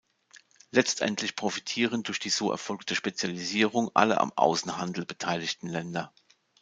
Letztendlich profitieren durch die so erfolgte Spezialisierung alle am Außenhandel beteiligten Länder.